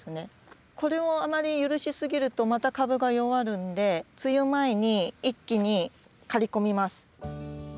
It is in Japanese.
これをあまり許し過ぎるとまた株が弱るんで梅雨前に一気に刈り込みます。